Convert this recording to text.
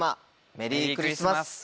メリークリスマス。